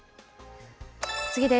次です。